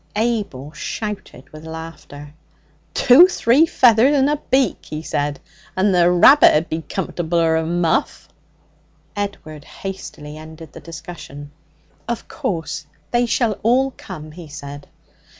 Abel shouted with laughter. 'Tuthree feathers and a beak!' he said. 'And the rabbit'd be comforbler a muff.' Edward hastily ended the discussion. 'Of course, they shall all come,' he said.